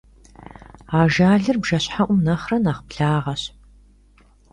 Ажалыр бжэщхьэӀум нэхърэ нэхь благъэщ.